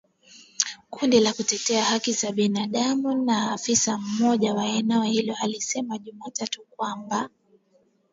Kundi la kutetea haki za binadamu na afisa mmoja wa eneo hilo alisema Jumatatu kwamba